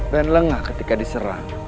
dan lengah ketika diserang